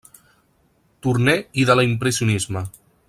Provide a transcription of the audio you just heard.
Turner i de l'impressionisme.